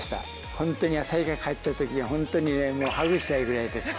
本当に旭川帰ったときは、本当にね、ハグしたいぐらいです。